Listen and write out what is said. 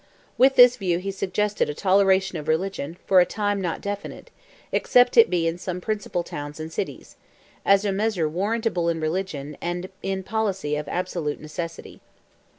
With this view he suggested "a toleration of religion (for a time not definite), except it be in some principal towns and cities," as a measure "warrantable in religion, and in policy of absolute necessity."